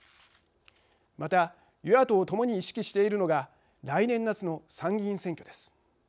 また、与野党ともに意識しているのが来年夏の参議院選挙です。